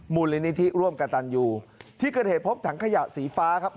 มูลนิธิร่วมกับตันยูที่เกิดเหตุพบถังขยะสีฟ้าครับ